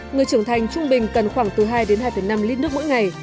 người trưởng thành trung bình cần khoảng từ hai đến hai năm lít nước mỗi ngày